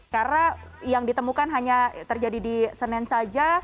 karena yang ditemukan hanya terjadi di senin saja